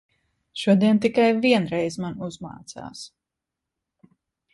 Šodien tikai vienreiz man uzmācās.